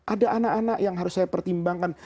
ada anak anak yang harus saya pertimbangkan